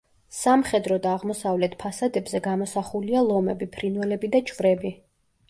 სამხედრო და აღმოსავლეთ ფასადებზე გამოსახულია ლომები, ფრინველები და ჯვრები.